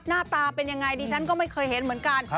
หน้าตาเป็นยังไงดิฉันก็ไม่เคยเห็นเหมือนกัน